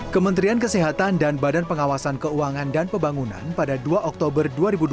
kementerian kesehatan dan badan pengawasan keuangan dan pembangunan pada dua oktober dua ribu dua puluh